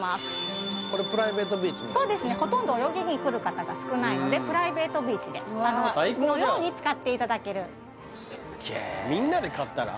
ほとんど泳ぎに来る方が少ないのでプライベートビーチで最高じゃんのように使っていただけるみんなで買ったら？